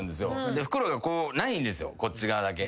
で袋がないんですよこっち側だけ。